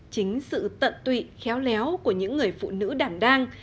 chính sự tận tụy khéo léo của những người phụ nữ đảm đang